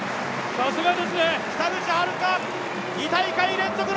さすがですね！